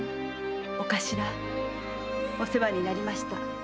お世話になりました。